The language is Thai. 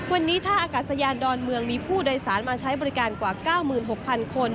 วันนี้ท่าอากาศยานดอนเมืองมีผู้โดยสารมาใช้บริการกว่า๙๖๐๐คน